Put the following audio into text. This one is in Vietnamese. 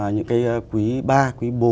những cái quý ba quý bốn